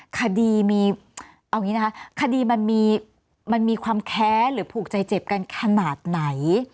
คดีมีคดีมันมีความแค้หรือผูกใจเจ็บกันขนาดไหน